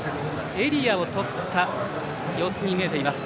エリアを取った様子に見えています。